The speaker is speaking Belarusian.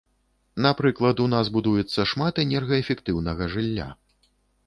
Напрыклад, у нас будуецца шмат неэнергаэфектыўнага жылля.